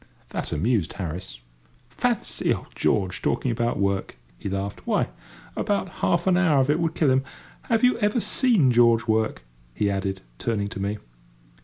That amused Harris. "Fancy old George talking about work!" he laughed; "why, about half an hour of it would kill him. Have you ever seen George work?" he added, turning to me.